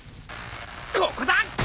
ここだ！